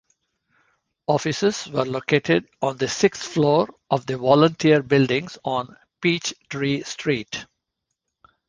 Offices were located on the sixth floor of the Volunteer Building on Peachtree Street.